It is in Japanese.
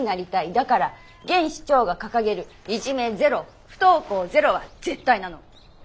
だから現市長が掲げるいじめゼロ不登校ゼロは絶対なの。